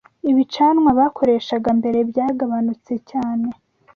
ibicanwa bakoreshaga mbere byagabanutse cyane